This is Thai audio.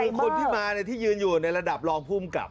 คือคนที่มาที่ยืนอยู่ในระดับรองภูมิกับ